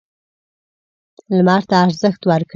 لمر ته ارزښت ورکړئ.